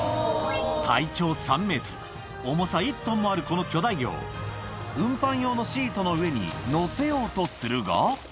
体長３メートル、重さ１トンもあるこの巨大魚を、運搬用のシートの上に載せようとするが。